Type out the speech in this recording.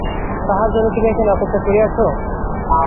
তাহারই জন্য তুমি এখানে অপেক্ষা করিয়া আছ?